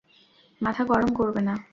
মাথা গরম করবে না।